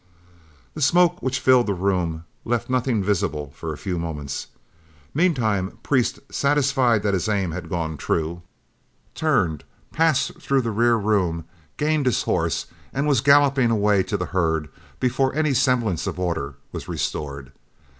The smoke which filled the room left nothing visible for a few moments. Meantime Priest, satisfied that his aim had gone true, turned, passed through the rear room, gained his horse, and was galloping away to the herd before any semblance of order was restored.